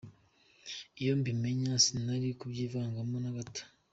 Iyo mbimenya sinari kubyivangamo na gato.